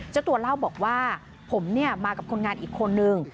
เจ้าตัวเล่าบอกว่าผมมากับคนงานอีกคนนึง